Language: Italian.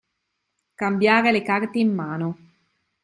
Cambiare le carte in mano.